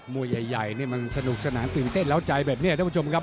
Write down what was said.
วยใหญ่นี่มันสนุกสนานตื่นเต้นแล้วใจแบบนี้ท่านผู้ชมครับ